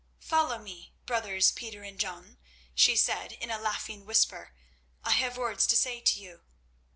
"Follow me, brothers Peter and John," she said in a laughing whisper. "I have words to say to you.